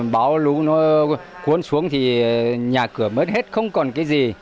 bão lũ nó cuốn xuống thì nhà cửa mất hết không còn cái gì